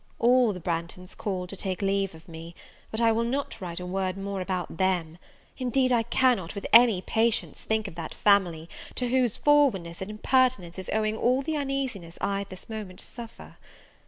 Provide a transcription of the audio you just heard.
All the Branghtons called to take leave of me; but I will not write a word more about them: indeed I cannot, with any patience, think of that family, to whose forwardness and impertinence is owing all the uneasiness I at this moment suffer!